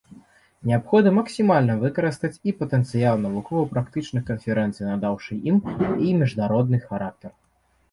Неабходна максімальна выкарыстаць і патэнцыял навукова-практычных канферэнцый, надаўшы ім і міжнародны характар.